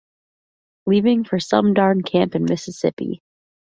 Leaving for some darn camp in Mississippi.